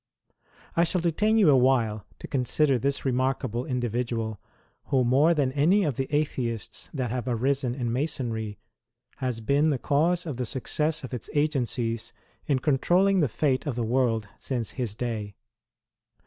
I shall detain you a while to consider this remarkable individual who, more than any of the Atheists that have arisen in Masonry, has been the cause of the success of its agencies in controlling the fate of the world since his day.